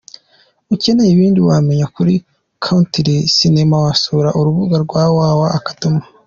Ukeneye ibindi wamenya kuri Century Cinema wasura urubuga rwabo www.